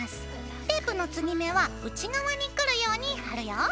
テープの継ぎ目は内側にくるように貼るよ。